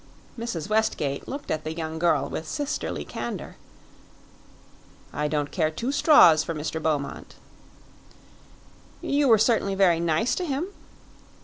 Mrs. Westgate looked at the young girl with sisterly candor. "I don't care two straws for Mr. Beaumont." "You were certainly very nice to him."